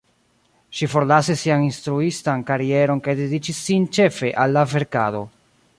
Ŝi forlasis sian instruistan karieron kaj dediĉis sin ĉefe al la verkado.